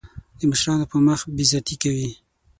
د مشرانو په مخ بې عزتي کوي.